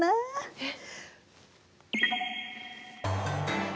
えっ？